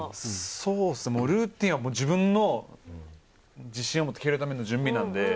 ルーティンは自分の自信を持って蹴るための準備なんで。